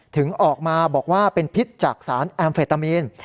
ถึงออกมาบอกว่าเป็นพิษจากสารแอมเฟตามีน